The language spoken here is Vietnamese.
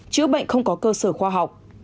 chữa bệnh không có cơ sở khoa học